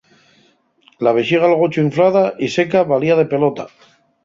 La vexiga'l gochu inflada y seca valía de pelota.